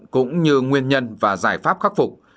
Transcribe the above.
cũng như nguyên nhân và giải pháp khắc phục